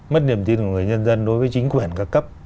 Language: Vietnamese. mất niềm tin của người nhân dân đối với chính quyền ca cấp